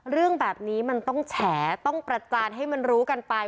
เรื่องแบบนี้มันต้องแฉต้องประจานให้มันรู้กันไป